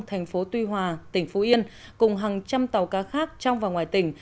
thành phố tuy hòa tỉnh phú yên cùng hàng trăm tàu cá khác trong và ngoài tỉnh